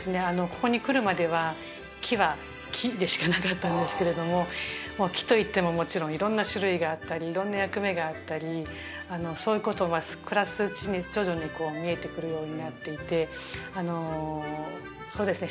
ここに来るまでは木は木でしかなかったんですけれども木といってももちろん色んな種類があったり色んな役目があったりそういうことが暮らすうちに徐々にこう見えてくるようになっていてそうですね